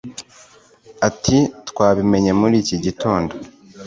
Ati “Twabimenye muri iki gitondo